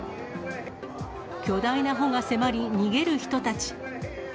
巨大な帆が迫り、逃げる人たち。